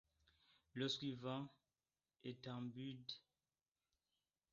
Le suivant est un bide.